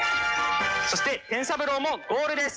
そしてペン三郎もゴールです！